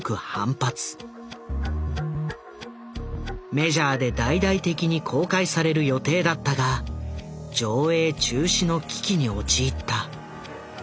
メジャーで大々的に公開される予定だったが上映中止の危機に陥った。